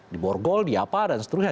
di borgol di apa dan seterusnya